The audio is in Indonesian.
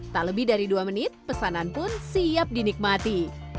tak lebih dari dua menit pesanan pun siap dinikmati